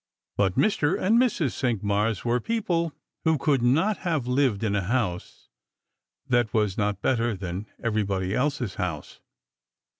_ But Mr. and Mrs. Cinqmars were people who could not have lived in a house that was not better than everybody else's house.